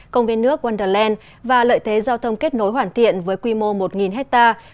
công viên nước wonderland và lợi thế giao thông kết nối hoàn thiện với quy mô một hectare